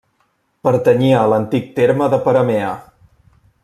Pertanyia a l'antic terme de Peramea.